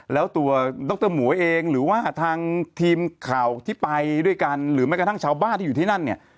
แล้วตัวดรหมวยเองหรือว่าทางทีมข่าวที่ไปด้วยกันหรือแม้กระทั่งชาวบ้านที่อยู่ที่นั่นเนี่ย